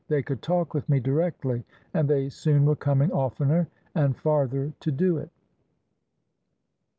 They could talk with me directly, and they soon were coming oftener and farther to do it.